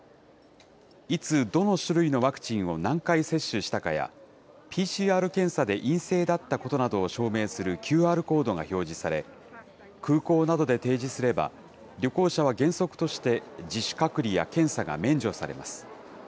いつ、どの種類のワクチンを何回接種したかや、ＰＣＲ検査で陰性だったことなどを証明するＱＲコードが表示され、空港などで提示すれば、旅行者は原則として、自主隔離や検査が免除されます。